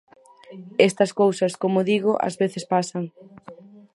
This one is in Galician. Estas cousas, como digo, ás veces pasan.